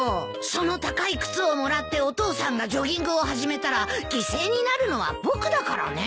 その高い靴をもらってお父さんがジョギングを始めたら犠牲になるのは僕だからね。